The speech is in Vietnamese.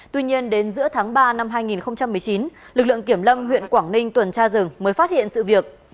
tuy nhiên đến giữa tháng ba năm hai nghìn một mươi chín lực lượng kiểm lâm huyện quảng ninh tuần tra rừng mới phát hiện sự việc